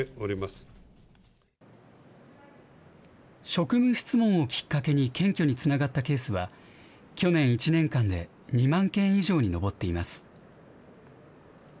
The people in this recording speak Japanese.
職務質問をきっかけに検挙につながったケースは、去年１年間で２万件以上に上っています。